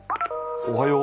おはよう。